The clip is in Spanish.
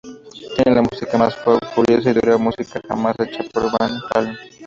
Tiene la música más furiosa y dura música jamás hecha por Van Halen.